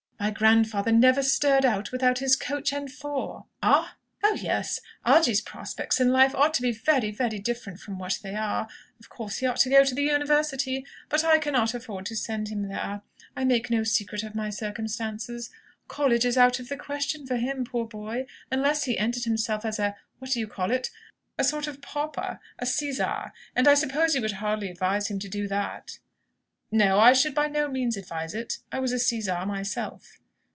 My grandfather never stirred out without his coach and four!" "Ah!" "Oh, yes, Algy's prospects in life ought to be very, very different from what they are. Of course he ought to go to the university; but I cannot afford to send him there. I make no secret of my circumstances. College is out of the question for him, poor boy, unless he entered himself as a what do you call it? A sort of pauper, a sizar. And I suppose you would hardly advise him to do that!" "No; I should by no means advise it. I was a sizar myself."